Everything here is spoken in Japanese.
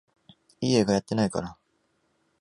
いい映画やってないかなあ